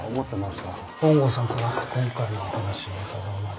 本郷さんから今回のお話伺うまで。